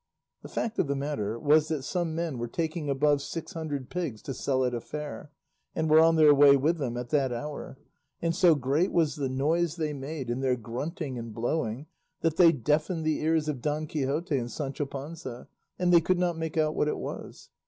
The fact of the matter was that some men were taking above six hundred pigs to sell at a fair, and were on their way with them at that hour, and so great was the noise they made and their grunting and blowing, that they deafened the ears of Don Quixote and Sancho Panza, and they could not make out what it was.